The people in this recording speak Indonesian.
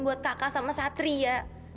buat kakak sama satria